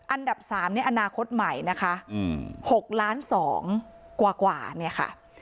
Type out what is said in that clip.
อันดับสามเนี้ยอนาคตใหม่นะคะอืมหกล้านสองกว่ากว่าเนี้ยค่ะ